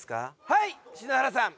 はい篠原さん